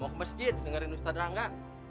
mau ke masjid dengerin ustad rangga